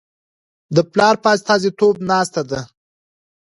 د پلار په استازیتوب ناسته ده.